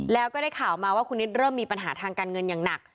แล้วก็ได้ข่าวมาว่าคุณนิดเริ่มมีปัญหาทางการเงินอย่างหนัก